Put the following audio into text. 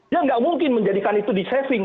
ya nggak mungkin menjadikan itu di saving